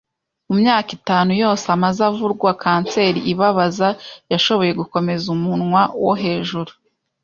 Mu myaka itanu yose amaze avurwa kanseri ibabaza, yashoboye gukomeza umunwa wo hejuru